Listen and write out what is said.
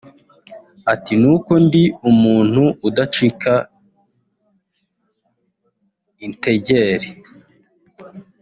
Ati “ Ni uko ndi umuntu udacika integer